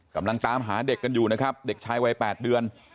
กำลังตามหาเด็กกันอยู่นะครับเด็กชายวัย๘เดือน